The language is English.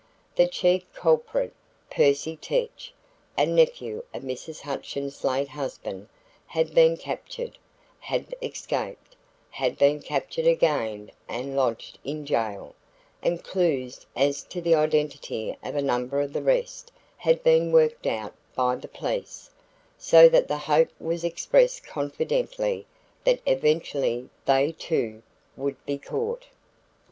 The chief culprit, Percy Teich, a nephew of Mrs. Hutchins' late husband, had been captured, had escaped, had been captured again and lodged in jail, and clews as to the identity of a number of the rest had been worked out by the police, so that the hope was expressed confidently that eventually they, too, would be caught.